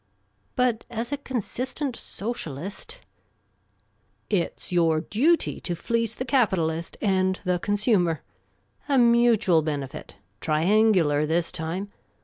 " But, as a consistent socialist "" It's your duty to fleece the capitalist and the consumer, A mutual benefit — triangular this time.